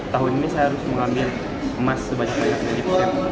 tahun ini saya harus mengambil emas sebanyak banyaknya